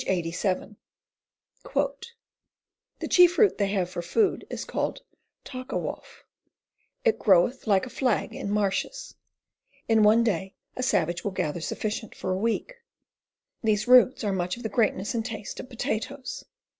87: "The chief e root they haue for food is called Tockawhoughe. It groweth like a flagge in Marishes. In one day a Salvage will gather sufficient for a week. These roots are much of the greatnesse and taste of Potatoes.